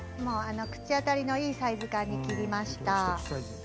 口当たりのいいサイズ感に切りました。